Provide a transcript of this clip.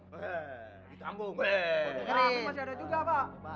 masih ada juga pak